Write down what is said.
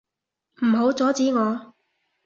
唔好阻止我！